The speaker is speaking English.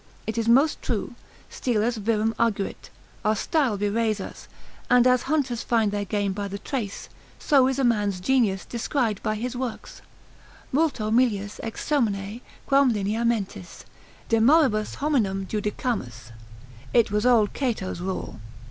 It is most true, stylus virum arguit, our style bewrays us, and as hunters find their game by the trace, so is a man's genius descried by his works, Multo melius ex sermone quam lineamentis, de moribus hominum judicamus; it was old Cato's rule.